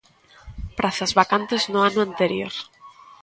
Prazas vacantes no ano anterior.